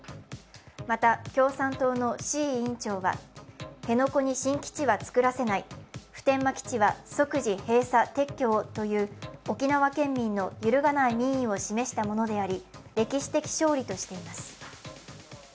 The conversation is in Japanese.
また、共産党の志位委員長は辺野古に新基地は作らせない、普天間基地は即時閉鎖・撤去をという沖縄県民の揺るがない民意を示したものであり歴史的勝利としています。